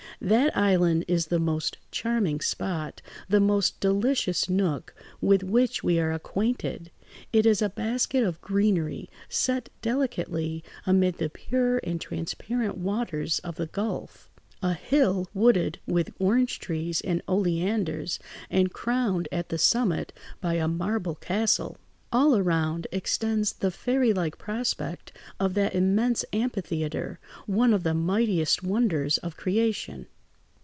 That island is the most charming spot, the most delicious nook with which we are acquainted; it is a basket of greenery set delicately amid the pure and transparent waters of the gulf, a hill wooded with orange trees and oleanders, and crowned at the summit by a marble castle. All around extends the fairy like prospect of that immense amphitheatre, one of the mightiest wonders of creation.